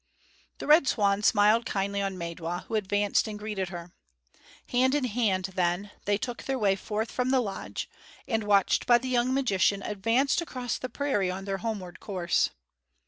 The Red Swan smiled kindly on Maidwa, who advanced and greeted her. Hand in hand, then, they took their way forth from the lodge, and, watched by the young magician, advanced across the prairie on their homeward course.